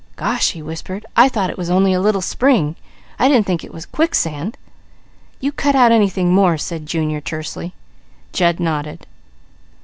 "Gosh!" he whispered. "I thought it was only a little spring! I didn't think it was a quicksand!" "You cut out anything more!" said Junior tersely. Jud nodded.